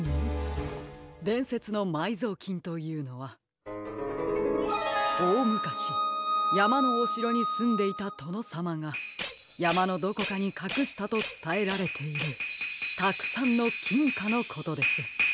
でんせつのまいぞうきんというのはおおむかしやまのおしろにすんでいたとのさまがやまのどこかにかくしたとつたえられているたくさんのきんかのことです。